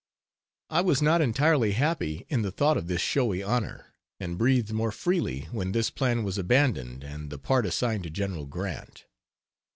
I was not entirely happy in the thought of this showy honor, and breathed more freely when this plan was abandoned and the part assigned to General Grant.